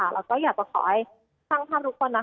เราก็อยากจะขอให้ช่างภาพทุกคน